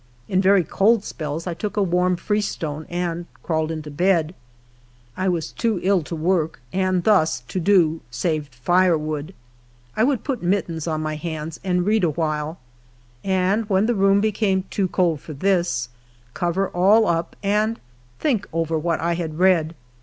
In very cold spells I took a warm freestone and crawled into bed. I was too ill to work, and thus to do saved tirewood. 1 would put mittens on my hands and read a while, and when the room became too cold for this, cover all up and think over what 1 had read.